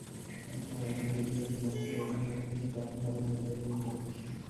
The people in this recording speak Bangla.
আর আপনি যদি তাকে মাফ করে দেন তাহলে সে তো আপনার রহমতেরই মুখাপেক্ষী।